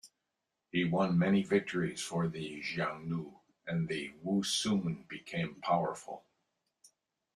He won many victories for the Xiongnu and the Wusun became powerful.